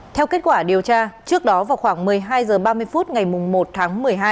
theo kết quả điều tra trước đó vào khoảng một mươi hai h ba mươi phút ngày một tháng một mươi hai